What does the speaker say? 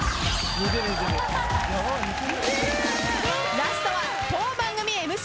ラストは当番組ＭＣ